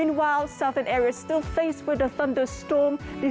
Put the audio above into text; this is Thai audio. สิ่งที่สุดท้ายเราจะยังต้องถูกกับธรรมดี